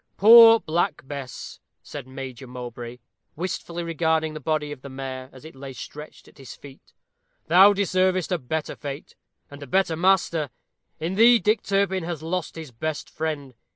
"Poor Black Bess!" said Major Mowbray, wistfully regarding the body of the mare, as it lay stretched at his feet. "Thou deservedst a better fate, and a better master. In thee, Dick Turpin has lost his best friend.